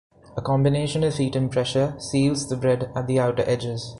A combination of heat and pressure seals the bread at the outer edges.